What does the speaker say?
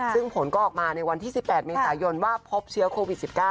ซึ่งผลก็ออกมาในวันที่๑๘เมษายนว่าพบเชื้อโควิด๑๙